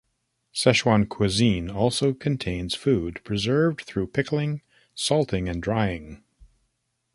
Sichuan cuisine often contains food preserved through pickling, salting and drying.